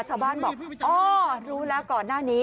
ชาวบ้านบอกอ๋อรู้แล้วก่อนหน้านี้